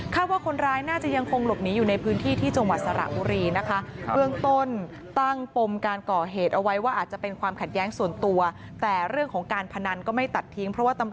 ว่าคนร้ายน่าจะยังคงหลบหนีอยู่ในพื้นที่ที่จังหวัดสระบุรีนะคะ